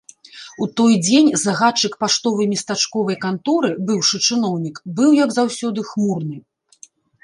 У той дзень загадчык паштовай местачковай канторы, быўшы чыноўнік, быў, як заўсёды, хмурны.